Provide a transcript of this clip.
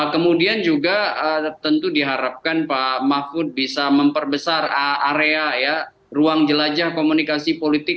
kemudian juga tentu diharapkan pak mahfud bisa memperbesar area ya ruang jelajah komunikasi politik